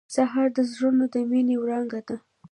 سهار د زړونو د مینې وړانګه ده.